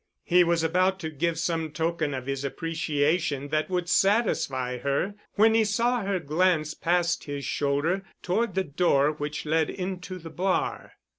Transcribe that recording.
He was about to give some token of his appreciation that would satisfy her when he saw her glance past his shoulder toward the door which led into the bar.